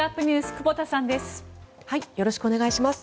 久保田さんです。